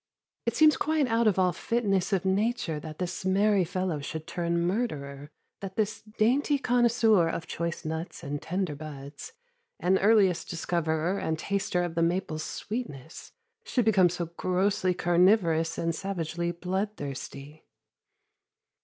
It seems quite out of all fitness of nature that this merry fellow should turn murderer, that this dainty connoisseur of choice nuts and tender buds, and earliest discoverer and taster of the maple's sweetness, should become so grossly carnivorous and savagely bloodthirsty.